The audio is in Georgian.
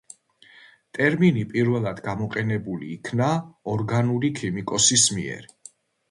ტერმინი პირველად გამოყენებული იქნა ორგანული ქიმიკოსის მიერ.